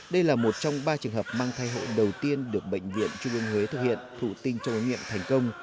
đây là một trong ba trường hợp mang thai hộ đầu tiên được bệnh viện trung ương huế thực hiện thụ tinh trong ống nghiệm thành công